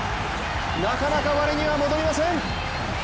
なかなか我には戻りません！